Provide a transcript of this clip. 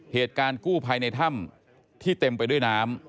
เหตุการณ์กู้ภัยในถ้ำที่เต็มไปด้วยน้ำ